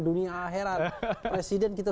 dunia akhirat presiden kita